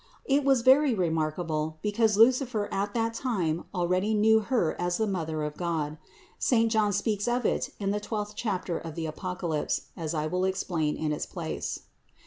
It was very remarkable, because Lucifer at that time already knew Her as the Mother of God. Saint John speaks of it in the twelfth chapter of the Apocalypse, as I will explain in its place.